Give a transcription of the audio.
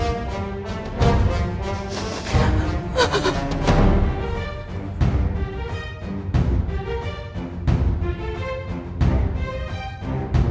sintia memalsukan kehamilannya